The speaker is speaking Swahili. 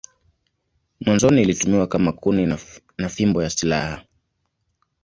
Mwanzoni ilitumiwa kama kuni na fimbo ya silaha.